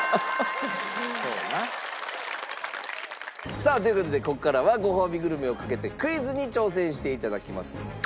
さあという事でここからはごほうびグルメを懸けてクイズに挑戦していただきます。